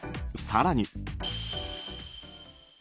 更に。